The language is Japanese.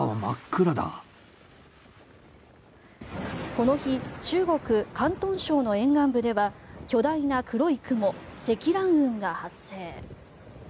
この日中国・広東省の沿岸部では巨大な黒い雲、積乱雲が発生。